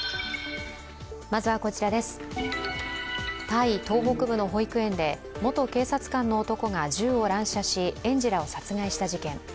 タイ東北部の保育園で元警察官の男が銃を乱射し園児らを殺害した事件。